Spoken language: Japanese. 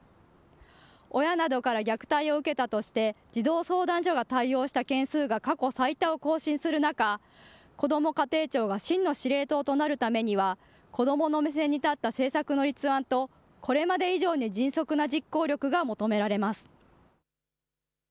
親などから虐待を受けたとして児童相談所が対応した件数が過去最多を更新する中、こども家庭庁が真の司令塔となるためには子どもの目線に立った政策の立案とこれまで以上に迅速な実行力が求められます。